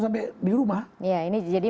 sampai di rumah ya ini jadi